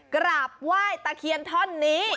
กราบไหว้ตะเคียนท่อนนี้